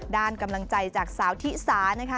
ด้านกำลังใจจากสาวที่สานะคะ